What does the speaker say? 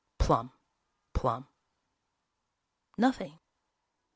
Plum. Plum. Nothing.